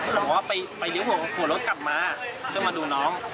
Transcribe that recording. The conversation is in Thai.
สักพักนึงเข้ารุ่งมาดู